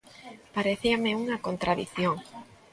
Parecíame unha contradición.